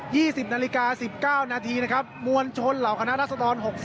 สิบนาฬิกาสิบเก้านาทีนะครับมวลชนเหล่าคณะรัศดรหกสิบ